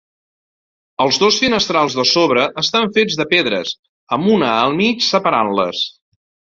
Els dos finestrals de sobre estan fets de pedres, amb una al mig separant-les.